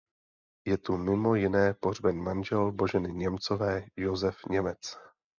Je tu mimo jiné pohřben manžel Boženy Němcové Josef Němec.